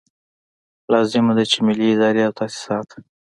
لازمه ده چې ملي ادارې او تاسیسات.